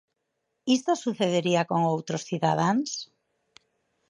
Isto sucedería con outros cidadáns?